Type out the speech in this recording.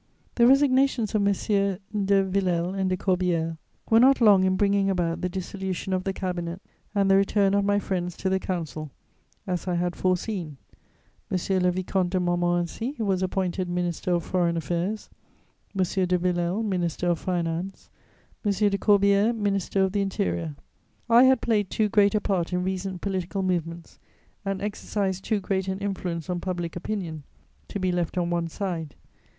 The resignations of Messieurs de Villèle and de Corbière were not long in bringing about the dissolution of the Cabinet and the return of my friends to the Council, as I had foreseen: M. le Vicomte de Montmorency was appointed Minister of Foreign Affairs, M. de Villèle Minister of Finance, M. de Corbière Minister of the Interior. I had played too great a part in recent political movements and exercised too great an influence on public opinion to be left on one side.